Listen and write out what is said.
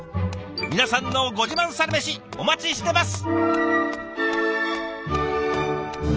皆さんのご自慢サラメシお待ちしてます！